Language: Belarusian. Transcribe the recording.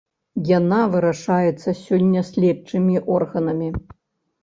Яна вырашаецца сёння следчымі органамі.